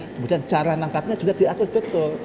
kemudian cara menangkapnya juga diatur betul